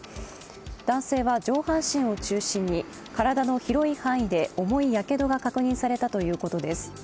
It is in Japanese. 男性は上半身を中心に体の広い範囲で重いやけどが確認されたということです。